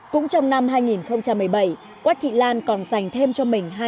cũng trong năm hai nghìn một mươi bảy quách thị lan còn dành thêm cho mình